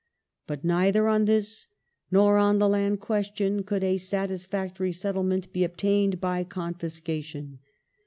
"But neither on this nor on the land question could a satisfactory settlement be obtained by confiscation.